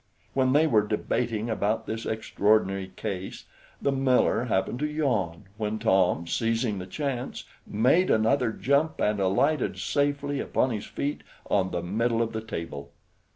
When they were debating about this extraordinary case, the miller happened to yawn, when Tom, seizing the chance, made another jump, and alighted safely upon his feet on the middle of the table.